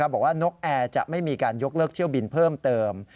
บอกว่านกแอร์จะไม่มีการยกเลิกเที่ยวบินเพิ่มเติม